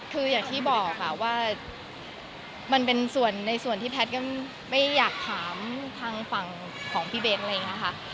คืออย่างที่บอกค่ะว่ามันเป็นส่วนในส่วนที่แพทย์ก็ไม่อยากถามทางฝั่งของพี่เบ้นอะไรอย่างนี้ค่ะ